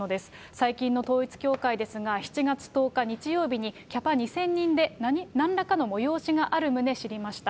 最近の統一教会ですが、７月１０日日曜日に、キャパ２０００人でなんらかの催しがある旨、知りました。